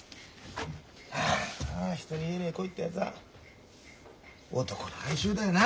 ああ人に言えねえ恋ってやつは男の哀愁だよな。